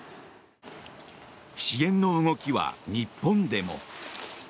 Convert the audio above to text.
支援の動きは日本でも。